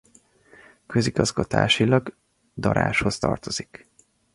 Közigazgatásilag Darázshoz tartozik.